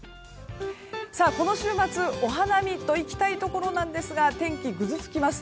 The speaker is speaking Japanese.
この週末お花見といきたいところですが天気ぐずつきます。